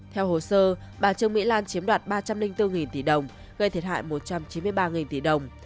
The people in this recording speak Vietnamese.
theo hồ sơ bà trương mỹ lan chiếm đoạt ba trăm linh bốn tỷ đồng gây thiệt hại một trăm chín mươi ba tỷ đồng